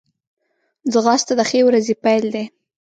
ځغاسته د ښې ورځې پیل دی